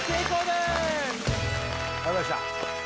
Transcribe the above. でーすありがとうございました